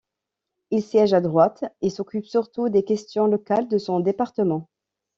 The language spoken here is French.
Il siège à droite, et s'occupe surtout des questions locales de son département.